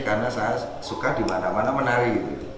karena saya suka dimana mana menari